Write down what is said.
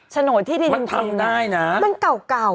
โฉนดที่ดินจริงมันทำได้นะ